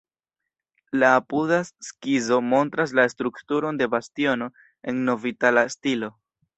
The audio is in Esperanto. La apudas skizo montras la strukturon de bastiono en "nov-itala stilo".